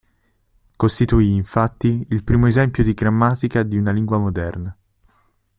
Costituì, infatti, il primo esempio di grammatica di una lingua moderna.